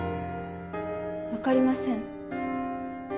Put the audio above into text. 分かりません。